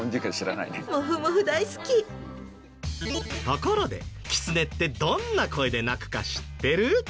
ところでキツネってどんな声で鳴くか知ってる？